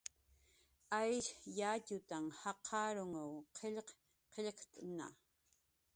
Aysh yatxutan jaqarunw qillq qillqt'ktna